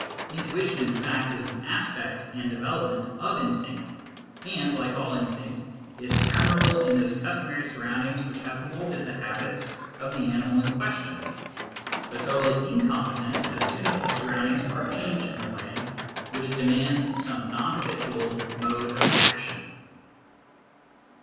Intuition, in fact, is an aspect and develop ment of instinct, and, like all instinct, is admirable in those customary surroundings which have moulded the habits of the animal in question, but totally incompetent as soon as the surroundings are changed in a way which demands some non habitual mode of action.